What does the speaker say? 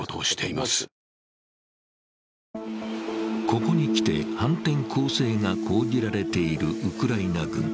ここに来て反転攻勢が報じられているウクライナ郡。